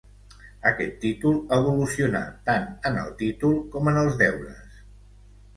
Aquest títol evolucionà tant en el títol com en els deures.